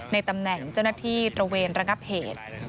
ในตำแหน่งเจ้าหน้าที่ตระเวนระงับเหตุ